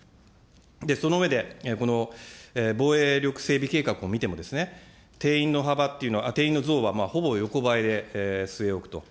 その上で、この防衛力整備計画を見てもですね、定員の幅というのは、定員の増はほぼ横ばいで据え置くと。